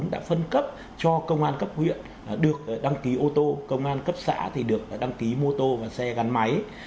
đã phân cấp cho công an cấp huyện được đăng ký ô tô công an cấp xã thì được đăng ký mô tô và xe gắn máy